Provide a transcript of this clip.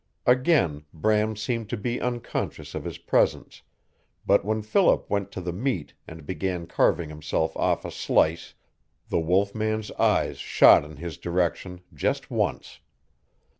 Again Bram seemed to be unconscious of his presence, but when Philip went to the meat and began carving himself off a slice the wolf man's eyes shot in his direction just once.